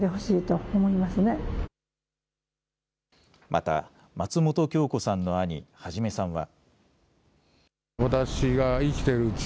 また松本京子さんの兄、孟さんは。